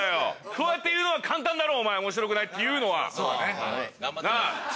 そうやって言うのは簡単だろ面白くないって言うのは。なぁ？